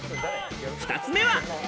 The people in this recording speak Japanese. ２つ目は。